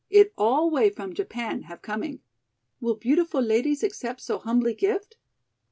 "It all way from Japan have coming. Will beautiful ladies accept so humbly gift?"